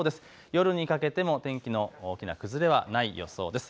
夜にかけても天気の大きな崩れはない予想です。